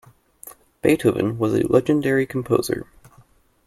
Beethoven was a legendary composer.